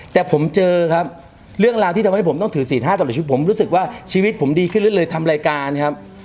แต่ผมเจอครับเรื่องราวที่ทำให้ผมต้องถือศีล๕ตลอดชีวิตผมรู้สึกว่าชีวิตผมดีขึ้นเรื่อยทำรายการครับ